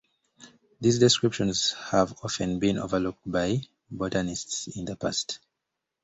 These descriptions have often been overlooked by botanists in the past.